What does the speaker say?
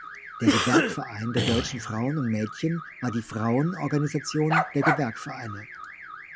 Der Gewerkverein der deutschen Frauen und Mädchen war die Frauenorganisation der Gewerkvereine.